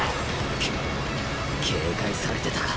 くっ警戒されてたか